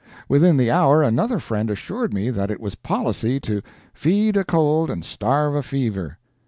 Within the hour, another friend assured me that it was policy to "feed a cold and starve a fever."